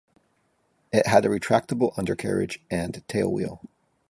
It had a retractable undercarriage and tailwheel.